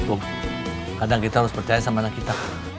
oh kadang kita harus percaya sama anak kita